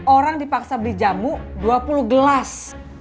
orang dipaksa beli jamu dua puluh gelas